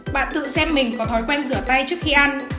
bạn tự xem mình có thói quen rửa tay trước khi ăn